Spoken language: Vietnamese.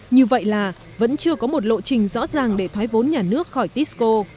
như vậy là vẫn chưa có một lộ trình rõ ràng để thoái vốn nhà nước khỏi tisco